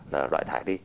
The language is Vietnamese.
là loại thải đi